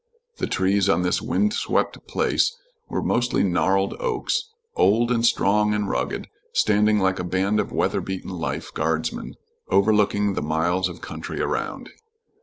The trees on this wind swept place were mostly gnarled oaks, old and strong and rugged, standing like a band of weather beaten life guardsmen overlooking the miles of country around.